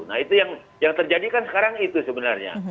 nah itu yang terjadi kan sekarang itu sebenarnya